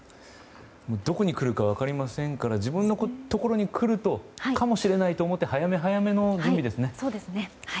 どこに来るか分かりませんから自分のところに来るかもしれないと思って早め早めの準備ですね。